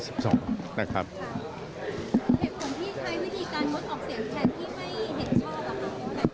เหตุผลของพี่ไทยวิธีการงดออกเสียงแทนที่ไม่เห็นชอบหรือเปล่า